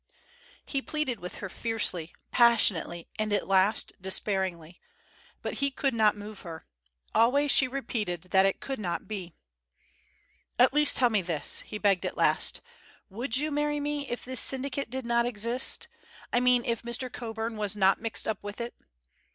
He pleaded with her, fiercely, passionately, and at last despairingly. But he could not move her. Always she repeated that it could not be. "At least tell me this," he begged at last. "Would you marry me if this syndicate did not exist; I mean if Mr. Coburn was not mixed up with it?"